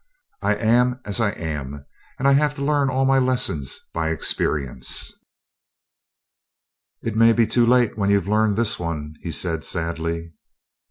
"I am as I am, and I have to learn all my lessons by experience." "It may be too late when you've learned this one," he said sadly.